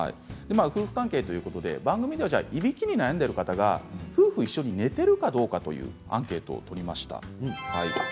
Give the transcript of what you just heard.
夫婦関係ということでいびきに悩んでいる方が夫婦一緒に寝ているかどうかというアンケートを取りました。